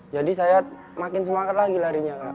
jadi saya makin semangat lagi larinya kak